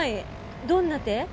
どんな手？